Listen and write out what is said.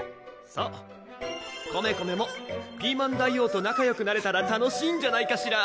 そうコメコメもピーマン大王と仲よくなれたら楽しいんじゃないかしら